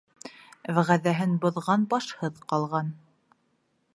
Вәғәҙәһен боҙған башһыҙ ҡалған.